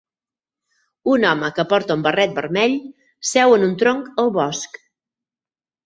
Un home que porta un barret vermell seu en un tronc al bosc.